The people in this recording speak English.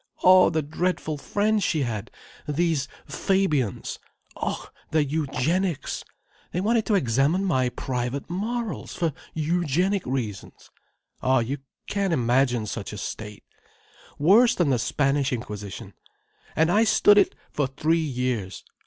Oh the dreadful friends she had—these Fabians! Oh, their eugenics. They wanted to examine my private morals, for eugenic reasons. Oh, you can't imagine such a state. Worse than the Spanish Inquisition. And I stood it for three years.